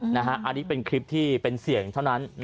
อันนี้เป็นคลิปที่เป็นเสียงเท่านั้น